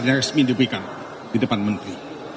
yang resmi diberikan di depan menteri